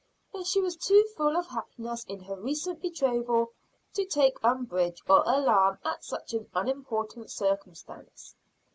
But she was too full of happiness in her recent betrothal to take umbrage or alarm at such an unimportant circumstance.